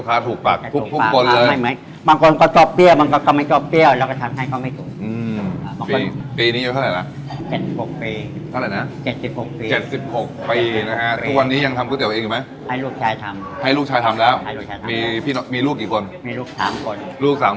การขายก๋วยเตี๋ยวเนี่ยภูมิใจไหม